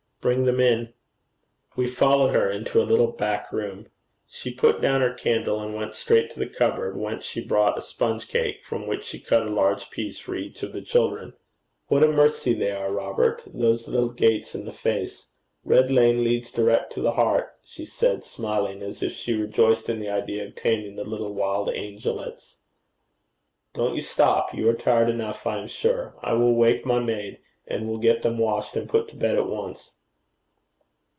'Bring them in.' We followed her into a little back room. She put down her candle, and went straight to the cupboard, whence she brought a sponge cake, from which she cut a large piece for each of the children. 'What a mercy they are, Robert, those little gates in the face! Red Lane leads direct to the heart,' she said, smiling, as if she rejoiced in the idea of taming the little wild angelets. 'Don't you stop. You are tired enough, I am sure. I will wake my maid, and we'll get them washed and put to bed at once.'